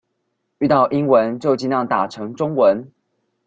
遇到英文就儘量打成中文